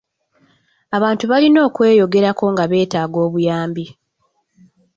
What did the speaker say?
Abantu balina okweyogerako nga beetaaga obuyambi.